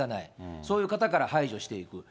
そういう方から排除していく。